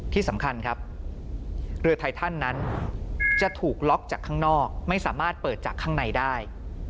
ที่สำคัญครับเรือไททันนั้นจะถูกล็อกจากข้างนอกไม่สามารถเปิดจากข้างในได้